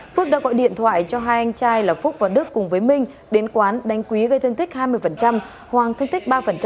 phước đã gọi điện thoại cho hai anh trai là phúc và đức cùng với minh đến quán đánh quý gây thương tích hai mươi hoàng thương tích ba